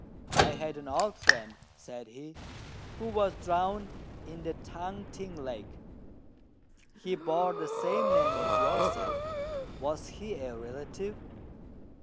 "I had an old friend," said he, "who was drowned in the Tung t'ing lake. He bore the same name as yourself; was he a relative?"